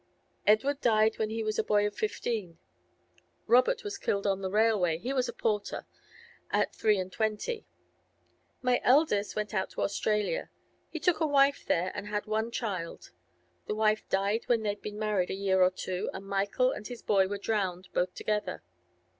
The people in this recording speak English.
Edward died when he was a boy of fifteen; Robert was killed on the railway—he was a porter—at three and twenty. The eldest went out to Australia; he took a wife there, and had one child; the wife died when they'd been married a year or two, and Michael and his boy were drowned, both together.